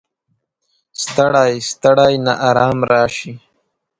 ستړی، ستړی ناارام راشي